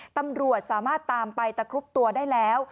ตำรวจสามารถตามไปตะครุบตัวได้แล้ว